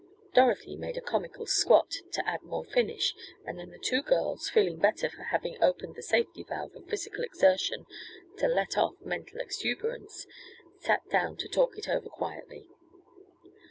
Dorothy made a comical "squat" to add more finish, and then the two girls, feeling better for having opened the safety valve of physical exertion to "let off" mental exuberance, sat down to talk it over quietly.